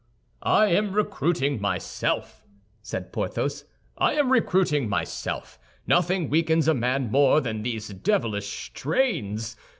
"I am recruiting myself," said Porthos, "I am recruiting myself. Nothing weakens a man more than these devilish strains.